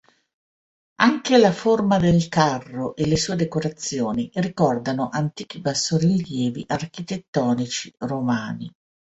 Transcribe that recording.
Anche la forma del carro e le sue decorazioni ricordano antichi bassorilievi architettonici romani.